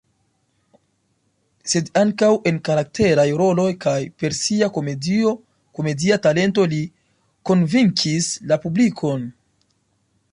Sed ankaŭ en karakteraj roloj kaj per sia komedia talento li konvinkis la publikon.